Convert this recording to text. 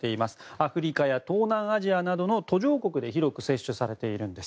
アフリカや東南アジアなどの途上国で広く接種されているんです。